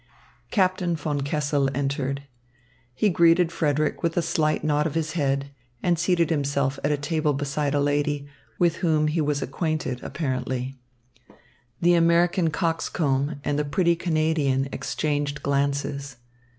Captain von Kessel entered. He greeted Frederick with a slight nod of his head and seated himself at a table beside a lady, with whom he was acquainted, apparently. The American coxcomb and the pretty Canadian exchanged glances.